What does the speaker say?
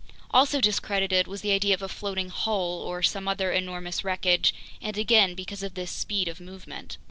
Also discredited was the idea of a floating hull or some other enormous wreckage, and again because of this speed of movement.